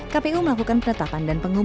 kpu melakukan penetapan dan pengumuman